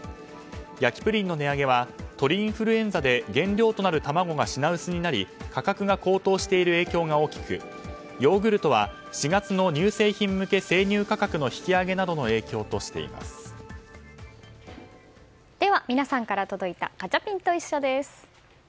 焼プリンの値上げは鳥インフルエンザで原料となる卵が品薄になり価格が高騰している影響が大きくヨーグルトは４月の乳製品向け生乳価格のでは皆さんから届いたガチャピンといっしょ！です。